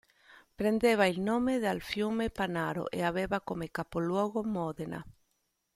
Prendeva il nome dal fiume Panaro e aveva come capoluogo Modena.